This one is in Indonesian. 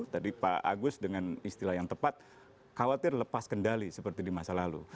tadi pak agus dengan istilah yang tepat khawatir lepas kendali seperti di masa lalu